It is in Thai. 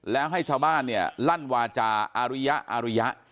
และให้ชาวบ้านลั่นวาจาอารุยะอารุยะ